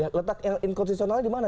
ya letak yang konstitusionalnya di mana